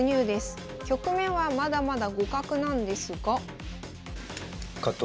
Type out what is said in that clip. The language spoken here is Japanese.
局面はまだまだ互角なんですが。